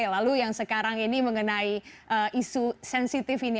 lalu yang sekarang ini mengenai isu sensitif ini